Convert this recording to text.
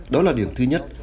đó là điểm thứ nhất